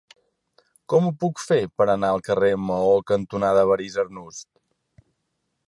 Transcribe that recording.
Com ho puc fer per anar al carrer Maó cantonada Evarist Arnús?